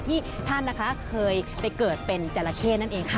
ที่ท่านนะคะเคยไปเกิดเป็นจราเข้นั่นเองค่ะ